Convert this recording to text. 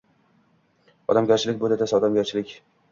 Odamgarchilik bu dadasi, odamgarchilik